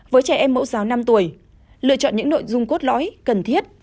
với trẻ em mẫu giáo năm tuổi lựa chọn những nội dung cốt lõi cần thiết